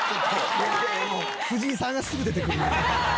藤井さんがすぐ出てくる。